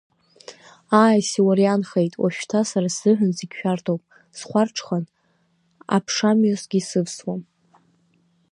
Ааи, Сиуарнахеит, уажәшьҭа сара сзыҳәан зегь шәарҭоуп, схәарҽхан, аԥшамҩасгьы сывсуам…